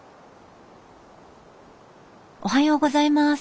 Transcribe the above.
おはようございます。